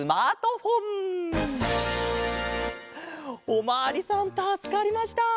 おまわりさんたすかりました。